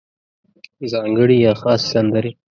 ځانګړې یا خاصې سندرې